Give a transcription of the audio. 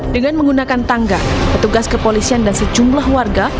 dengan menggunakan tangga petugas kepolisian dan sejumlah warga